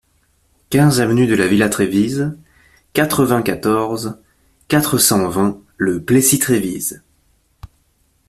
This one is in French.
quinze avenue de la Villa Trévise, quatre-vingt-quatorze, quatre cent vingt, Le Plessis-Trévise